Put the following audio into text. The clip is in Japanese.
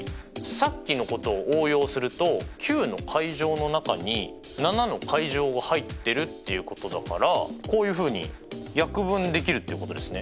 さっきのことを応用すると９！の中に７！が入ってるっていうことだからこういうふうに約分できるっていうことですね。